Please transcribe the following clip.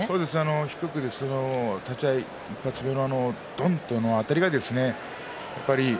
低く立ち合い１発目のどんというあたりがですね。